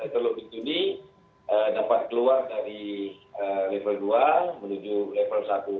teluktuni dapat keluar dari level dua menuju level satu